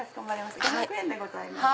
５００円でございます。